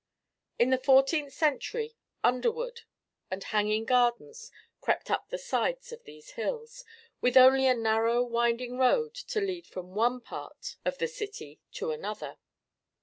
In the fourteenth century underwood and hanging gardens crept up the sides of these hills, with only a narrow winding road to lead from one part of the city to another.